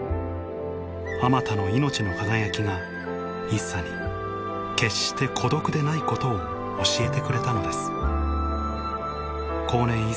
あまたの命の輝きが一茶に決して孤独でないことを教えてくれたのです後年